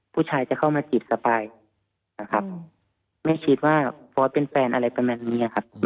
ผู้ชายจะเข้ามาจีบสปายนะครับแม่คิดว่าฟอร์สเป็นแฟนอะไรประมาณนี้ครับ